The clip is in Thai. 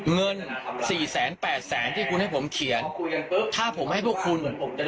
เงินสี่แสนแปดแสนที่คุณให้ผมเขียนถ้าผมให้พวกคุณ